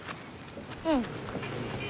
うん。